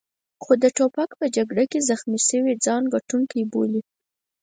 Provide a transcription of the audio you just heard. خو د توپک په جګړه کې زخمي شوي ځان ګټونکی بولي.